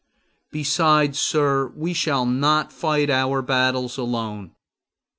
Besides, sir, we shall not fight our battles alone.